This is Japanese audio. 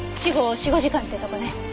死後４５時間ってとこね。